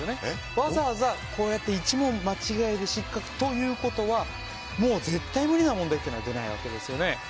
わざわざこうやって１問間違えて失格ということはもう絶対無理な問題というのは出ないわけですよね。